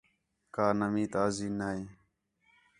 کَا نوی تازی نہیں